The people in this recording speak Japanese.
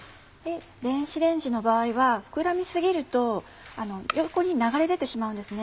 電子レンジの場合は膨らみ過ぎると横に流れ出てしまうんですね。